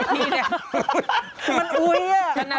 ขนาดอุ๊ยอะ